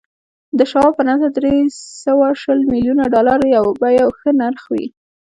د شواب په نظر دري سوه شل ميليونه ډالر به يو ښه نرخ وي.